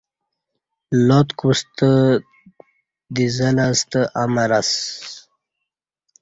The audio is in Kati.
لات کوستہ دیزلے ستہ امر اسہ